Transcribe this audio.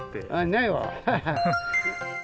ないわ。